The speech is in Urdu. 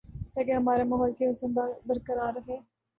تاکہ ہمارے ماحول کی حسن برقرار رہے